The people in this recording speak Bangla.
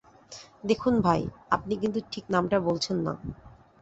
দেখুন ভাই, আপনি কিন্তু ঠিক নামটা বলছেন না।